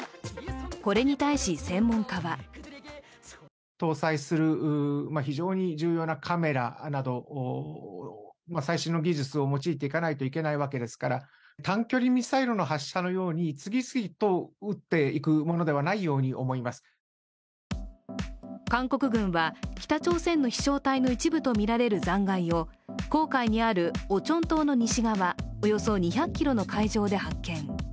これに対し、専門家は韓国軍は北朝鮮の飛翔体の一部とみられる残骸を黄海にあるオチョン島の西側およそ２００ｋｍの海上で発見。